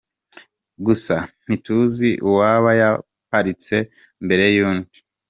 Gusa ntituzi uwaba yaparitse mbere y’undi.